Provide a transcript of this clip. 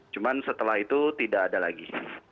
cuma setelah itu tidak ada lagi